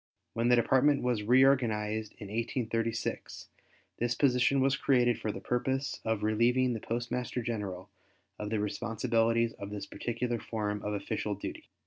When the Department was reorganized in 1836 this position was created for the purpose of relieving the Postmaster General of the responsibilities of this particular form of official duty.